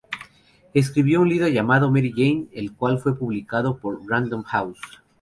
Escribió un libro llamado "Mary Jane" el cual fue publicado por Random House.